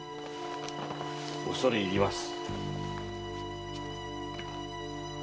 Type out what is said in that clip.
恐れ入ります。